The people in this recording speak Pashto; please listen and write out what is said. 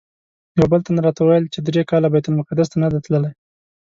یو بل تن راته ویل چې درې کاله بیت المقدس ته نه دی تللی.